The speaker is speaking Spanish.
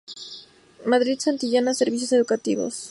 Madrid: Santillana-Servicios educativos.